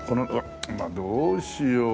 まあどうしよう。